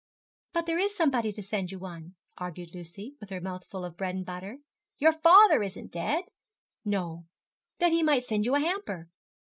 'But there is somebody to send you one,' argued Lucy, with her mouth full of bread and butter; 'your father isn't dead?' 'No.' 'Then he might send you a hamper.'